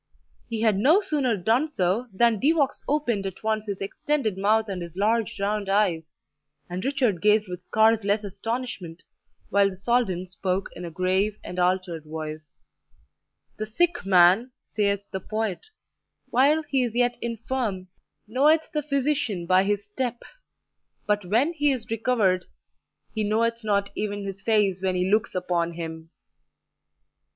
He had no sooner done so, than De Vaux opened at once his extended mouth and his large round eyes, and Richard gazed with scarce less astonishment, while the Soldan spoke in a grave and altered voice: "The sick man, sayeth the poet, while he is yet infirm, knoweth the physician by his step; but when he is recovered, he knoweth not even his face when he looks upon him."